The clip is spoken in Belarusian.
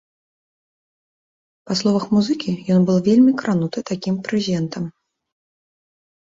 Па словах музыкі, ён быў вельмі крануты такім прэзентам.